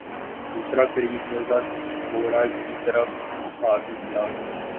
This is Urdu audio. دوسرا قریب موضع چکوڑہ کی طرف بھاگ نکلا۔